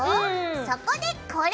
そこでこれ！